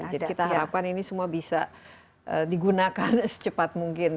jadi kita harapkan ini semua bisa digunakan secepat mungkin